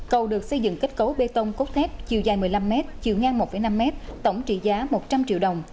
cầu được xây dựng kết cấu bê tông cốt thép chiều dài một mươi năm m chiều ngang một năm m tổng trị giá một trăm linh triệu đồng